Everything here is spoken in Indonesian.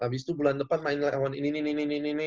abis itu bulan depan main ini ini ini